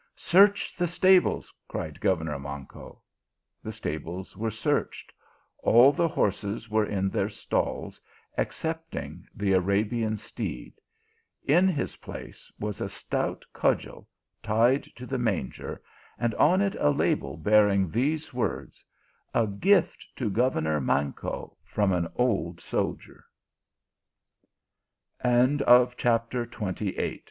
" Search the stables," cried governor Manco. The stables were searched ; all the horses were in their stalls, excepting the Arabian steed. In his place was a stout cudgel tied to the manger, and on it a label bearing these words, "A gift to governor Manco, from an old so